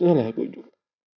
salah aku juga